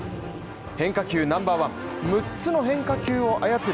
変化球ナンバーワン六つの変化球を操る